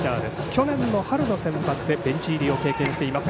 去年の春のセンバツでベンチ入りを経験しています。